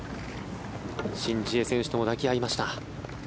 シン・ジエ選手とも抱き合いました。